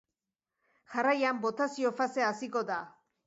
Jarraian, botazio fasea hasiko da.